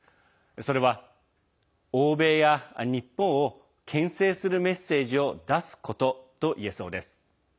それは欧米や日本をけん制するメッセージを出すことといえそうです。